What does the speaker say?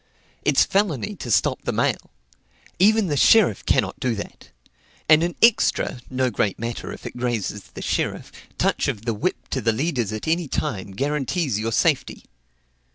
It's felony to stop the mail; even the sheriff cannot do that. And an extra (no great matter if it grazes the sheriff) touch of the whip to the leaders at any time guarantees your safety."